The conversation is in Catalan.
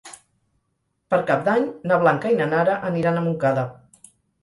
Per Cap d'Any na Blanca i na Nara aniran a Montcada.